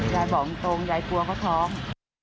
ยายบอกตรงยายกลัวเขาท้อง